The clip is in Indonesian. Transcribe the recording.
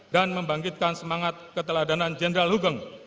dan membangkitkan semangat keteladanan jenderal hugeng